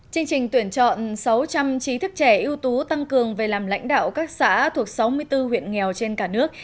chương trình tuyển chọn sáu trăm linh trí thức trẻ ưu tú tăng cường về làm lãnh đạo các xã thuộc sáu mươi bốn huyện nghèo trên cả nước